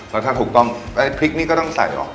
แล้วถ้าถูกต้องไอ้พริกนี่ก็ต้องใส่ออก